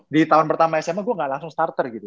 di tahun pertama sma gue gak langsung starter gitu